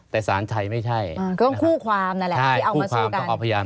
แต่สารชัยไม่ใช่ก็คู่ความนั่นแหละที่เอามาสู้กัน